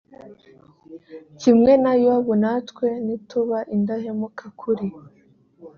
kimwe na yobu natwe nituba indahemuka kuri